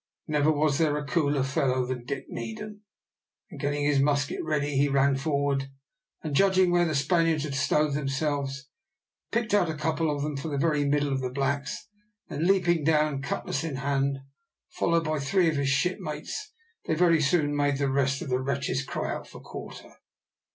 Never was there a cooler fellow than Dick Needham, and, getting his musket ready, he ran forward, and judging where the Spaniards had stowed themselves, picked out a couple of them from the very middle of the blacks; then leaping down, cutlass in hand, followed by three of his shipmates, they very soon made the rest of the wretches cry out for quarter.